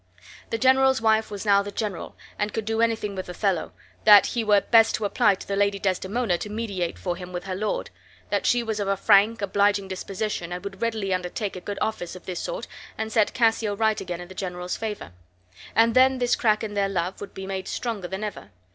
The general's wife was now the general, and could do anything with Othello; that he were best to apply to the Lady Desdemona to mediate for him with her lord; that she was of a frank, obliging disposition and would readily undertake a good office of this sort and set Cassio right again in the general's favor; and then this crack in their love would be made stronger than ever.